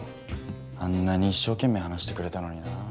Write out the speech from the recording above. あんなに一生懸命話してくれたのになあ。